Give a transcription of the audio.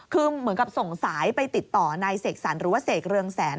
คือเหมือนกับส่งสายไปติดต่อนายเสกสรรหรือว่าเสกเรืองแสน